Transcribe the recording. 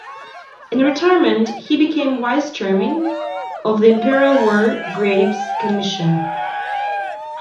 In retirement he became Vice Chairman of the Imperial War Graves Commission.